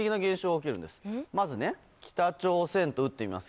まず「北朝鮮」と打ってみます。